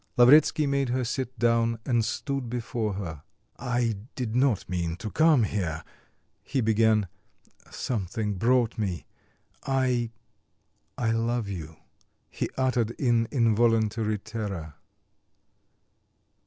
Lavretsky made her sit down and stood before her. "I did not mean to come here," he began. "Something brought me.... I I love you," he uttered in involuntary terror.